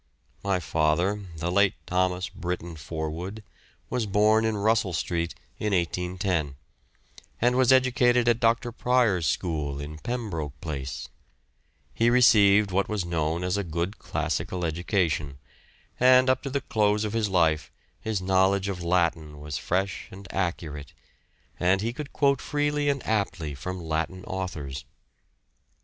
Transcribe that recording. My father, the late Thomas Brittain Forwood, was born in Russell Street in 1810, and was educated at Dr. Prior's school in Pembroke Place; he received what was known as a good classical education, and up to the close of his life his knowledge of Latin was fresh and accurate, and he could quote freely and aptly from Latin authors.